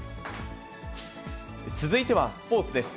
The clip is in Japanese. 続いてはスポーツです。